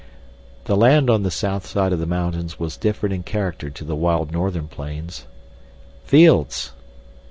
The land on the south side of the mountains was different in character to the wild northern plains. "Fields!"